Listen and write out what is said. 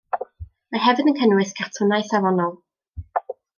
Mae hefyd yn cynnwys cartwnau safonol.